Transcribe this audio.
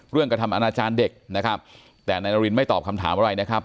กระทำอนาจารย์เด็กนะครับแต่นายนารินไม่ตอบคำถามอะไรนะครับ